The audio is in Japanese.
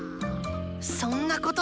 そんなこと。